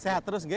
sehat terus ya